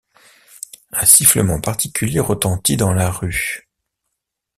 Un sifflement particulier retentit dans la rue.